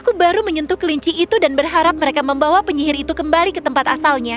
aku baru menyentuh kelinci itu dan berharap mereka membawa penyihir itu kembali ke tempat asalnya